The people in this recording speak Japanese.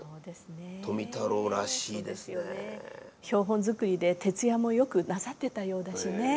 標本作りで徹夜もよくなさってたようだしね。